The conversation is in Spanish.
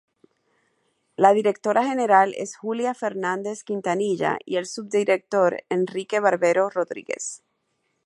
La directora general es Julia Fernández Quintanilla y el subdirector Enrique Barbero Rodríguez.